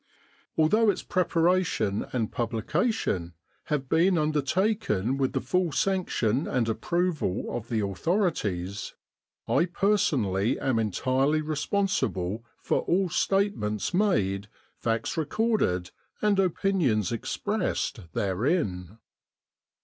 Although its pre paration and publication have been undertaken with the full sanction and approval of the authorities, I personally am entirely responsible for all state ments made, facts recorded, and opinions expressed therein.